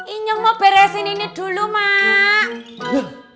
inyong mau beresin ini dulu mak